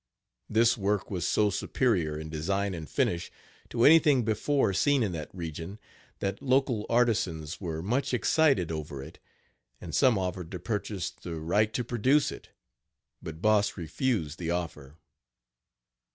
This work was so superior, in design and finish, to anything before seen in that region that local artisans were much excited over it; and some offered to purchase the right to reproduce it, but Boss refused the offer.